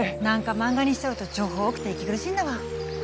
なんか漫画にしちゃうと情報多くて息苦しいんだわ。